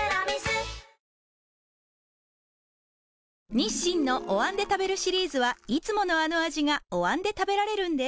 日清のお椀で食べるシリーズはいつものあの味がお椀で食べられるんです